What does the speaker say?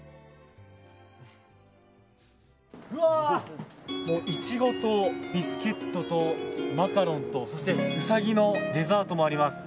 うわあ、イチゴとビスケットとマカロンとそしてウサギのデザートもあります。